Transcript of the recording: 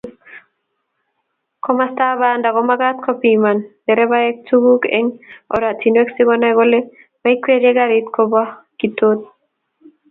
Komostab banda komagat kopiman nderebaek tugul eng oratinwek si konai kole maikwerie garit kobokitotin